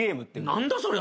何だそれ？